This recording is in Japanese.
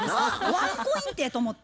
ワンコインてと思って。